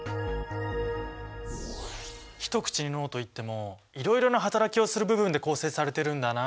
一口に脳と言ってもいろいろな働きをする部分で構成されてるんだな。